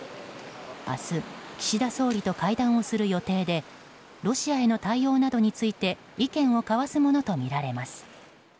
明日、岸田総理と会談をする予定でロシアへの対応などについて意見を交わすものとみられます。